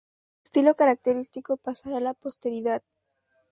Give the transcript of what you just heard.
Su estilo característico pasará a la posteridad.